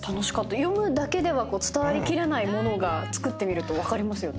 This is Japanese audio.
読むだけでは伝わり切らないものが作ってみると分かりますよね。